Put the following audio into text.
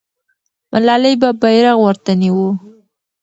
ملالۍ به بیرغ ورته نیوه.